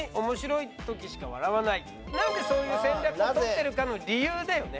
なんでそういう戦略をとってるかの理由だよね。